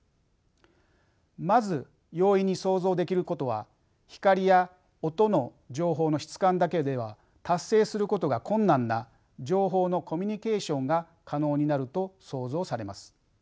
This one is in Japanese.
まず容易に想像できることは光や音の情報の質感だけでは達成することが困難な情報のコミュニケーションが可能になると想像されます。